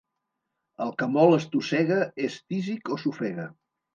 El que molt estossega és tísic o s'ofega.